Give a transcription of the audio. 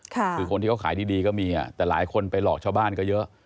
คือคนที่เขาขายดีก็มีแต่หลายคนไปหลอกชาวบ้านก็เยอะ